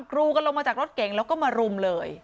กรูกันลงมาจากรถเก๋งแล้วก็มารุมเลย